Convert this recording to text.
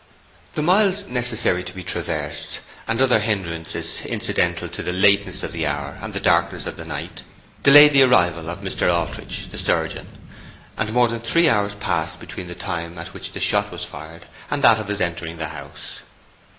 The miles necessary to be traversed, and other hindrances incidental to the lateness of the hour and the darkness of the night, delayed the arrival of Mr. Aldritch, the surgeon; and more than three hours passed between the time at which the shot was fired and that of his entering the house.